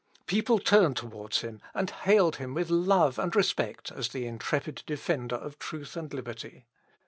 People turned towards him, and hailed him with love and respect as the intrepid defender of truth and liberty.